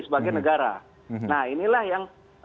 sebagai negara nah inilah yang